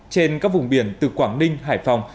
trên các vùng biển từ quảng ninh hải phòng